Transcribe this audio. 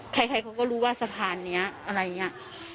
ใครเขาก็รู้ว่าสะพานนี้อะไรอย่างนี้